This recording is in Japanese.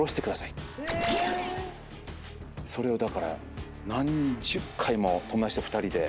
それをだから何十回も友達と２人で。